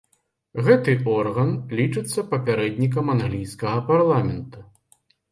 Гэты орган лічыцца папярэднікам англійскага парламента.